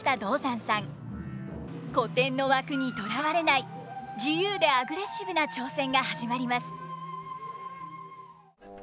古典の枠にとらわれない自由でアグレッシブな挑戦が始まります。